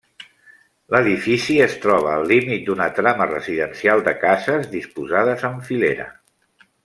L'edifici es troba al límit d'una trama residencial de cases disposades en filera.